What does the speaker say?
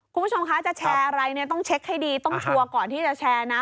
คุณผู้ชมคะจะแชร์อะไรเนี่ยต้องเช็คให้ดีต้องชัวร์ก่อนที่จะแชร์นะ